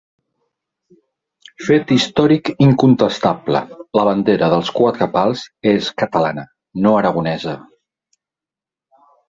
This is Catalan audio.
Fet històric incontestable: la bandera dels Quatre Pals és catalana, no aragonesa.